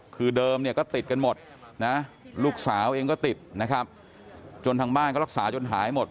คือเดิมก็ติดกันหมดลูกสาวเองก็ติดจนทางบ้านก็รักษาจนหายหมด